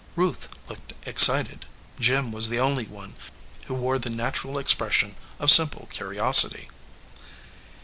Ruth looked excited. Jim was the only one who wore the natural expression of sim ple curiosity.